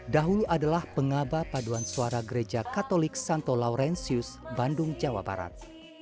dahulu adalah pengaba paduan suara gereja katolik santo laurencius bandung jawa barat